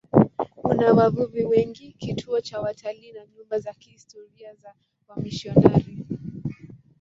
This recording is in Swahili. Una wavuvi wengi, kituo cha watalii na nyumba za kihistoria za wamisionari.